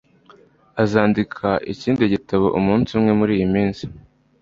Azandika ikindi gitabo umunsi umwe muriyi minsi